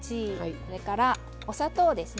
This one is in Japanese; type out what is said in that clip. それからお砂糖ですね。